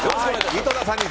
井戸田さんに